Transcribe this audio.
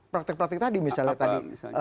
praktik praktik tadi misalnya tadi